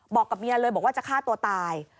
บอกกับเมียเลยบอกว่าจะฆ่าตัวตาย